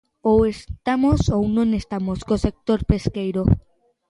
Ou estamos ou non estamos co sector pesqueiro.